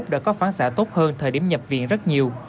đã có phán xả tốt hơn thời điểm nhập viện rất nhiều